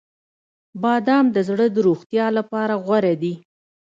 • بادام د زړه د روغتیا لپاره غوره دي.